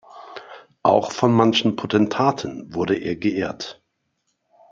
Auch von manchen Potentaten wurde er geehrt.